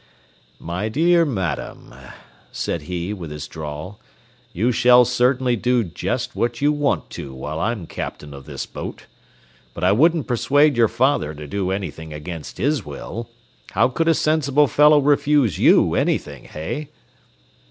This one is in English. "My dear madam," said he, with his drawl, "you shall certainly do jest what you want to while I'm captain of this boat. But I wouldn't persuade your father to do anything against his will. How could a sensible fellow refuse you anything, hey?"